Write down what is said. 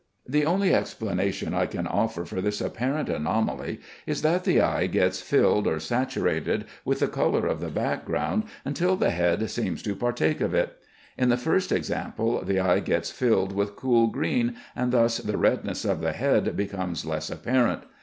The only explanation I can offer for this apparent anomaly is that the eye gets filled or saturated with the color of the background until the head seems to partake of it. In the first example the eye gets filled with cool green, and thus the redness of the head becomes less apparent.